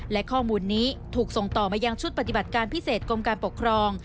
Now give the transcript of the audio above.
และข้อมูลนี้ถูกส่งต่อมายังชุดปฏิบัติการพิเศษกรมการปกครอง